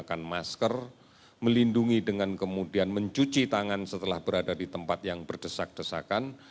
menggunakan masker melindungi dengan kemudian mencuci tangan setelah berada di tempat yang berdesak desakan